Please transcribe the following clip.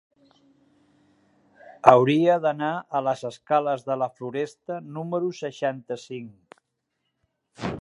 Hauria d'anar a les escales de la Floresta número seixanta-cinc.